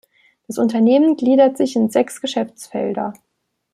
Das Unternehmen gliedert sich in sechs Geschäftsfelder.